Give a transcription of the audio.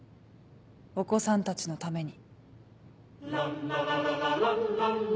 お子さんたちのために。